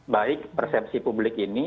baik persepsi publik ini